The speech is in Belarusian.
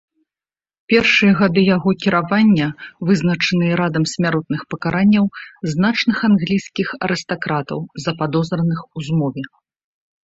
Першыя гады яго кіравання вызначаныя радам смяротных пакаранняў значных англійскіх арыстакратаў, западозраных у змове.